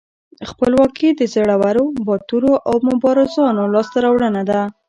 خپلواکي د زړورو، باتورو او مبارزانو لاسته راوړنه ده.